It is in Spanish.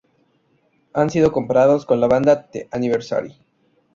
Han sido comparados con la banda The Anniversary.